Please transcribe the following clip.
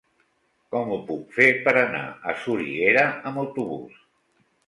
Com ho puc fer per anar a Soriguera amb autobús?